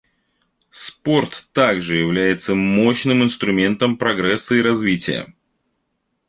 Спорт также является мощным инструментом прогресса и развития.